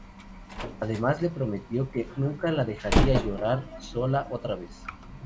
Además, le prometió que nunca la dejaría llorar sola otra vez.